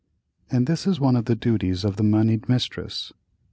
And this is one of the duties of the monied mistress.